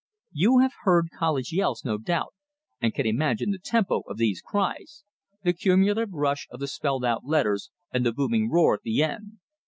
You have heard college yells, no doubt, and can imagine the tempo of these cries, the cumulative rush of the spelled out letters, the booming roar at the end.